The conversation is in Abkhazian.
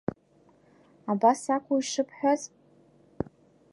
Абас акәу ишыбҳәаз?